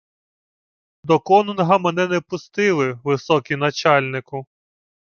— До конунга мене не пустили, високий начальнику.